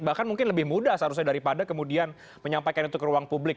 bahkan mungkin lebih mudah seharusnya daripada kemudian menyampaikan itu ke ruang publik